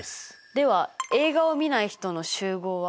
では映画をみない人の集合は？